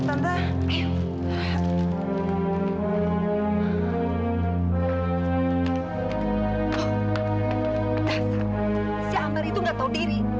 dasar si amber itu nggak tahu diri